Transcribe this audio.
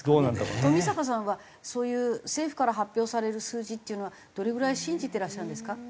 冨坂さんはそういう政府から発表される数字っていうのはどれぐらい信じてらっしゃるんですか？